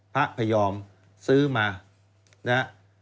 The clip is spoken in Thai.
พระพยอมซื้อมา